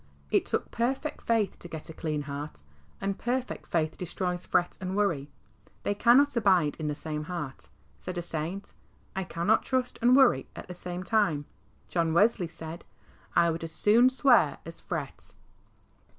It took perfect faith to get a clean heart, and perfect faith destroys fret and worry. They cannot abide in the same heart. Said a saint, " I cannot trust and worry at the same time." John Wesley said, " I would as soon swear as fret."